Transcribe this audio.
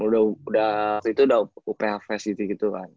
waktu itu udah uph fast gitu kan